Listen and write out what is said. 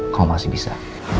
kau masih bisa